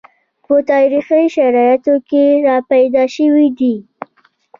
په تاریخي شرایطو کې راپیدا شوي دي